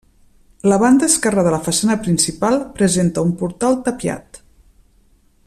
La banda esquerra de la façana principal presenta un portal tapiat.